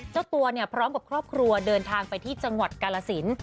เจ้าตัวเนี่ยพร้อมกับครอบครัวเดินทางไปที่จังหวัดกาลสิน